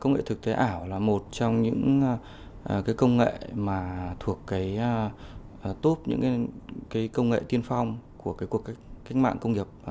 công nghệ thực tế ảo là một trong những công nghệ mà thuộc top những công nghệ tiên phong của cuộc cách mạng công nghiệp bốn